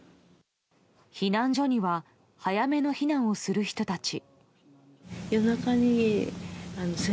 避難所には早めの避難をする人たち。